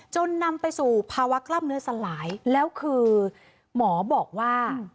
นำไปสู่ภาวะกล้ามเนื้อสลายแล้วคือหมอบอกว่า